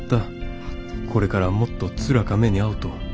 これからもっとつらか目にあうと。